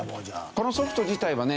このソフト自体はね